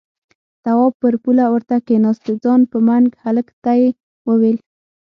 تواب پر پوله ورته کېناست، د ځان په منګ هلک ته يې وويل: